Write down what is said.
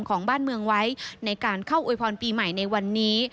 ของบ้านเมืองไว้ในการเข้าอวยพรปีใหม่ในวันนี้